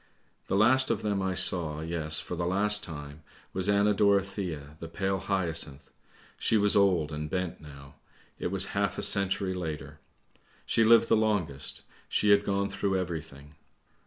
" The last of them I saw, yes, for the last time, was Anna Dorothea, the pale hyacinth. She was old and bent now; it was half a century later. She lived the longest, she had gone through everything.